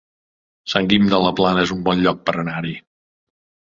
Sant Guim de la Plana es un bon lloc per anar-hi